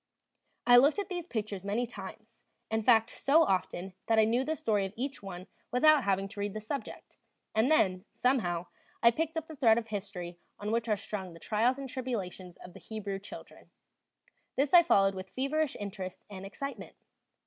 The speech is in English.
I looked at these pictures many times; in fact, so often that I knew the story of each one without having to read the subject, and then, somehow, I picked up the thread of history on which are strung the trials and tribulations of the Hebrew children; this I followed with feverish interest and excitement.